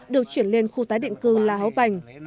được chuyển lên khu tái định cư la háo bành